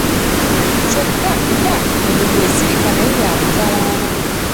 Kyokka Endiga esirika naye ya mutawaana.